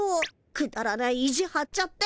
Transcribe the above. くだらない意地はっちゃって。